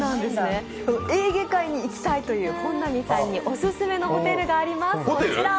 エーゲ海に行きたいという本並さんにオススメのホテルがあります。